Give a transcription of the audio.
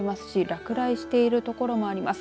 落雷しているところもあります。